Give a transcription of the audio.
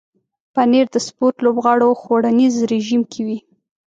پنېر د سپورت لوبغاړو خوړنیز رژیم کې وي.